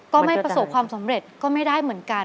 ก็ไม่ประสบความสำเร็จก็ไม่ได้เหมือนกัน